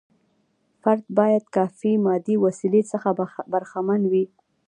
فرد باید کافي مادي وسیلو څخه برخمن وي.